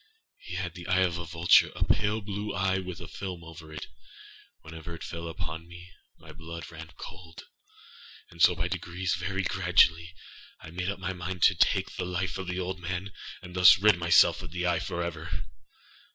He had the eye of a vultureâa pale blue eye, with a film over it. Whenever it fell upon me, my blood ran cold; and so by degreesâvery graduallyâI made up my mind to take the life of the old man, and thus rid myself of the eye forever.